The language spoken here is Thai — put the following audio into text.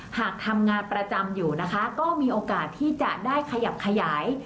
หากทำงานประจำอยู่นะคะก็มีโอกาสที่จะได้ขยับขยาย